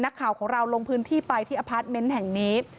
นักข่าวของเราลงพื้นที่ไปที่อพาร์ทเมนต์แห่งนี้